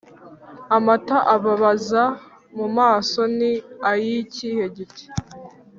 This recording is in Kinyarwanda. Amata ababaza mu maso ni ay’ikihe giti?